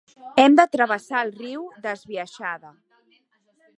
Hem de travessar el riu d'esbiaixada.